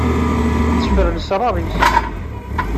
Tetteffer lesrar-is.